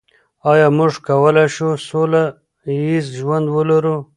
آیا موږ کولای شو سوله ییز ژوند ولرو؟